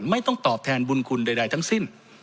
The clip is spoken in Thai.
ไม่ต้องตอบแทนบุญคุณใดทั้งสิ้น